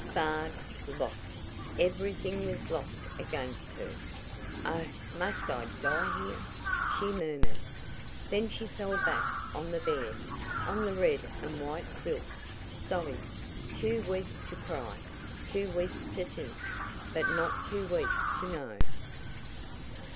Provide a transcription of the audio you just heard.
Barred! Locked! Everything was locked against her! "Oh, must I die here?" she murmured. Then she fell back on the bed, on the red and white quilt. Sobbing, too weak to cry, too weak to think, but not too weak to know!